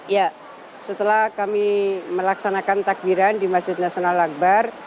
ya setelah kami melaksanakan takbiran di masjid nasional akbar